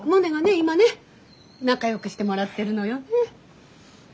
今ね仲よくしてもらってるのよね。